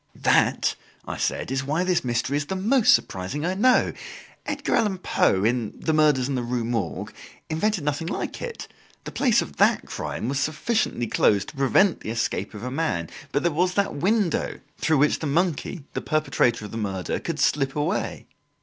"That," I said, "is why this mystery is the most surprising I know. Edgar Allan Poe, in 'The Murders in the Rue Morgue,' invented nothing like it. The place of that crime was sufficiently closed to prevent the escape of a man; but there was that window through which the monkey, the perpetrator of the murder, could slip away!